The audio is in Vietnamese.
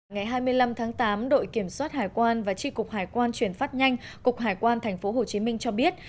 ngày hai mươi năm tháng tám đội kiểm soát hải quan và tri cục hải quan chuyển phát nhanh cục hải quan tp hcm cho biết